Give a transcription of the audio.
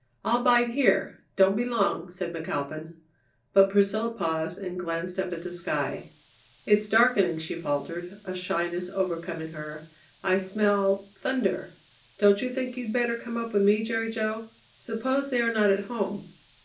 "I'll bide here; don't be long," said McAlpin. But Priscilla paused and glanced up at the sky. "It's darkening," she faltered, a shyness overcoming her. "I smell thunder. Don't you think you better come up with me Jerry Jo? Suppose they are not at home?"